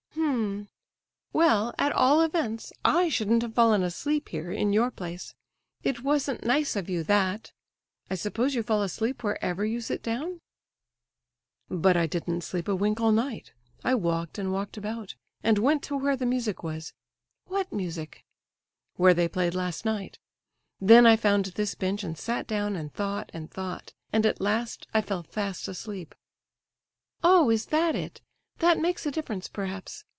"H'm—well, at all events, I shouldn't have fallen asleep here, in your place. It wasn't nice of you, that. I suppose you fall asleep wherever you sit down?" "But I didn't sleep a wink all night. I walked and walked about, and went to where the music was—" "What music?" "Where they played last night. Then I found this bench and sat down, and thought and thought—and at last I fell fast asleep." "Oh, is that it? That makes a difference, perhaps.